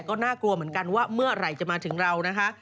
ก็น่ากลัวเหมือนกันว่าเมื่อไหร่จะมาถึงเรานะคะ